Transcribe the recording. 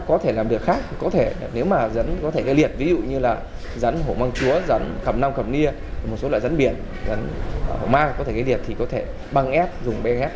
có thể làm được khác có thể nếu mà rắn có thể gây liệt ví dụ như là rắn hổ mang chúa rắn cầm năm cầm ni một số loại rắn biển rắn hổ mang có thể gây liệt thì có thể băng ép dùng băng ép